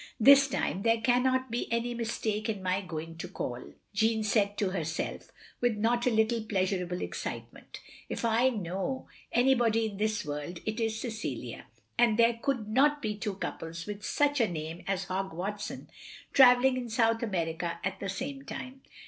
"This time there cannot be any mistake in my going to call," Jeanne said to herself, with not a little pleastirable excitement. "If I know anybody in this world it is Cecilia! And there could not be two couples with such a name as Hogg Watson travelling in South America at the same time.